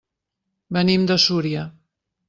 Venim de Súria.